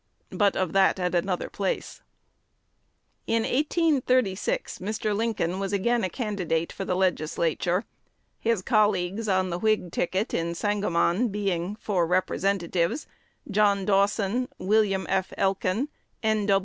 But of that at another place. In 1836 Mr. Lincoln was again a candidate for the Legislature; his colleagues on the Whig ticket in Sangamon being, for Representatives, John Dawson, William F. Elkin, N.